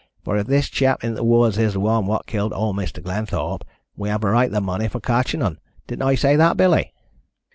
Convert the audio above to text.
For if this chap in th' woods is the one wot killed owd Mr. Glenthorpe, we have a right to th' money for cotchin' un. Didn't I say that, Billy?"